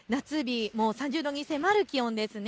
３０度に迫る気温ですね。